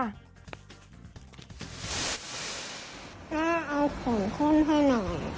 ก็เอาของขึ้นให้หน่อย